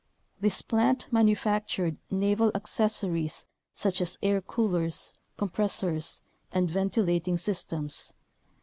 This plant manufactured naval accessories such as air coolers, compres sors, and ventilating systems.